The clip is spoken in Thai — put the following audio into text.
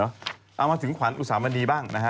เอามาถึงขวัญอุสามณีบ้างนะฮะ